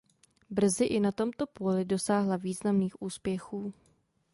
Brzy i na tomto poli dosáhla významných úspěchů.